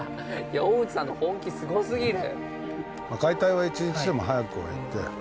大内さんの本気すごすぎる。